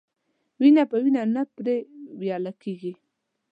وينه په وينه نه پريوله کېږي.